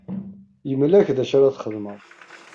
Yemla-ak d acu ara txedmeḍ.